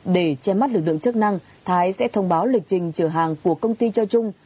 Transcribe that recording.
để che mắt lực lượng chức năng thái sẽ thông báo lịch trình chở hàng của công ty cho trung